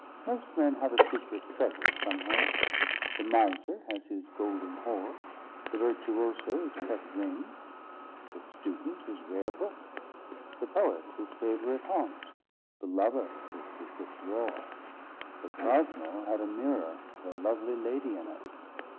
Most men have a secret treasure somewhere. The miser has his golden hoard; the virtuoso his pet ring; the student his rare book; the poet his favourite haunt; the lover his secret drawer; but Cosmo had a mirror with a lovely lady in it.